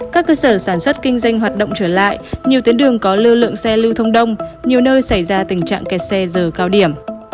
các cơ sở sản xuất kinh doanh hoạt động trở lại nhiều tuyến đường có lưu lượng xe lưu thông đông nhiều nơi xảy ra tình trạng kẹt xe giờ cao điểm